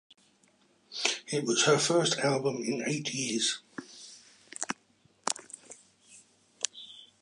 It was her first album in eight years.